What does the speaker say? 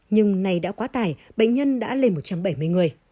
nhưng nay đã quá tải bệnh nhân đã lên một trăm bảy mươi người